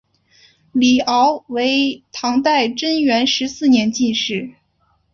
李翱为唐代贞元十四年进士。